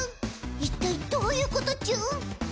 一体どういうことチュン！？